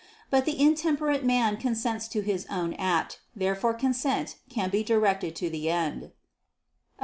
But the intemperate man consents to his own act. Therefore consent can be directed to the end. Obj.